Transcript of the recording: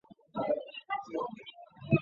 这是解放军一次成功的渡海登陆作战。